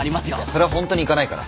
それは本当に行かないから。